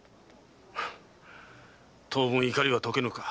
当分怒りは解けぬか。